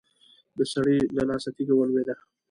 د سړي له لاسه تېږه ولوېده.